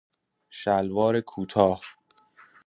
شلوار کوتاه